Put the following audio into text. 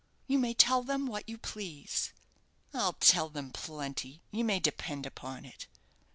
"You may tell them what you please." "I'll tell them plenty, you may depend upon it."